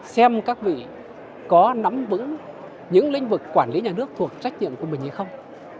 xem các vị có nắm vững những lĩnh vực quản lý nhà nước thuộc trách nhiệm của mình hay không